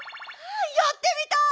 やってみたい！